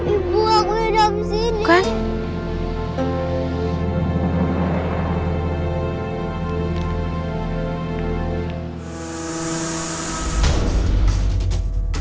aku kayak denger ada suara orang